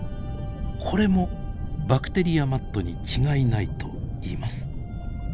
これもバクテリアマットに違いないといいます。